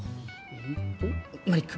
マリック。